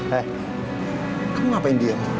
hei kamu ngapain diam